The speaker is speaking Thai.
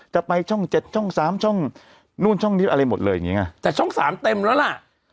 จะไปช่องเจ็ดช่องสามช่องนู่นช่องนี้อะไรหมดเลยอย่างงี้ไงแต่ช่องสามเต็มแล้วล่ะ